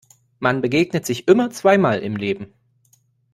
Man begegnet sich immer zweimal im Leben.